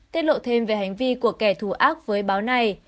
tiết lộ thêm về hành vi của kẻ thù ác với báo này